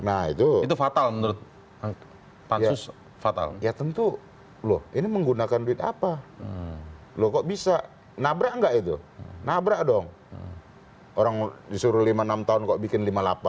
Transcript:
nah itu fatal menurut pansus fatal ya tentu loh ini menggunakan duit apa loh kok bisa nabrak nggak itu nabrak dong orang disuruh lima enam tahun kok bikin lima puluh delapan